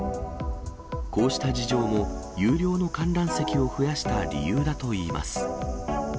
こうした事情も有料の観覧席を増やした理由だといいます。